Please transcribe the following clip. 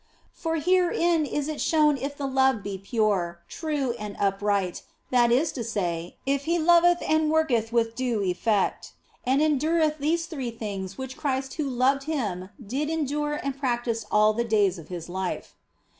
For herein is it shown if the love be pure, true, and upright, that is to say, if he loveth and OF FOLIGNO 143 worketh with due effect and endureth those three things which Christ who loved him did endure and practise all the days of His life.